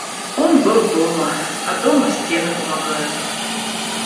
Он был дома, а дома стены помогают.